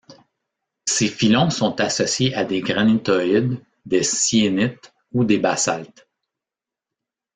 Ces filons sont associés à des granitoïdes, des syénites ou des basaltes.